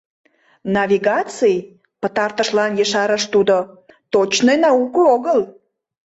Навигаций, — пытартышлан ешарыш тудо, — точный науко огыл.